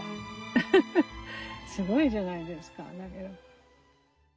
フフフすごいじゃないですか。